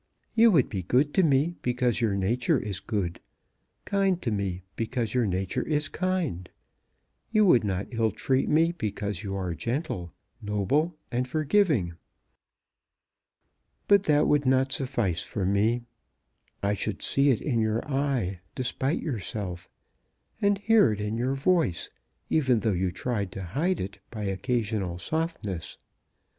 You would be good to me because your nature is good; kind to me because your nature is kind. You would not ill treat me because you are gentle, noble, and forgiving. But that would not suffice for me. I should see it in your eye, despite yourself, and hear it in your voice, even though you tried to hide it by occasional softness.